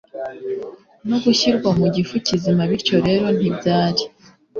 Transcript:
no gushyirwa mu gifu kizima bityo rero ntibyari